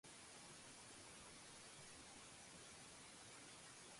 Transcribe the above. აქტიურად იყო ჩართული ტყვეთა სყიდვაში.